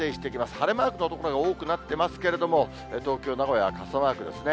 晴れマークの所が多くなってますけれども、東京、名古屋、傘マークですね。